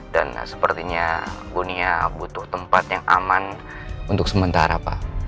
dan sepertinya bunia butuh tempat yang aman untuk sementara pak